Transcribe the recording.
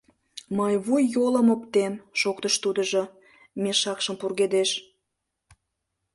— Мый вуй-йолым оптем, — шоктыш тудыжо, мешакшым пургедеш.